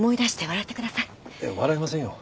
笑いませんよ。